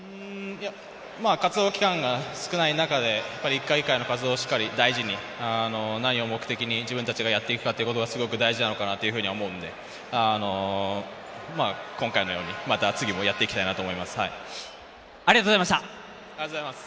活動期間が少ない中で１回１回の活動をしっかり大事に内容、目的を大事に自分たちがやっていくのがすごく大事なのかなと思うので、今回のようにまた次もやっていきたいなと思っています。